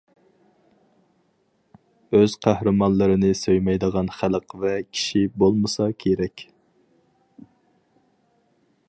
ئۆز قەھرىمانلىرىنى سۆيمەيدىغان خەلق ۋە كىشى بولمىسا كېرەك.